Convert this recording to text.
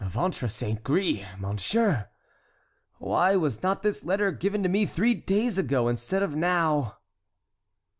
Ventre saint gris! monsieur! why was not this letter given to me three days ago, instead of now?"